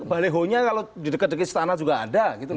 balehonya kalau di dekat dekat setanah juga ada